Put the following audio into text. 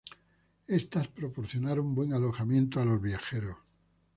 Estos proporcionaron buen alojamiento a los viajeros.